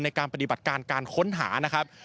ในการปฏิบัติการการค้นหานะครับ